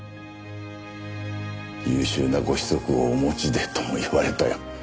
「優秀なご子息をお持ちで」とも言われたよ。